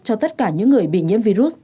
cho tất cả những người bị nhiễm virus